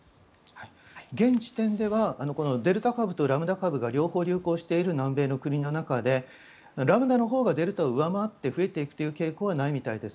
現時点ではこのデルタ株とラムダ株が両方流行している南米の国の中でラムダのほうがデルタを上回って増えていくという傾向はないみたいです。